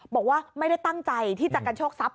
บอกว่าไม่ได้ตั้งใจที่จะกันโชคทรัพย